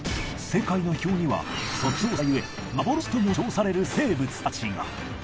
世界の秘境にはその希少さゆえ幻とも称される生物たちが。